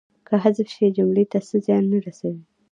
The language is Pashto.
که حذف شي جملې ته څه زیان نه رسوي.